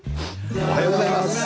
おはようございます。